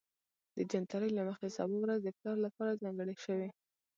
د جنتري له مخې سبا ورځ د پلار لپاره ځانګړې شوې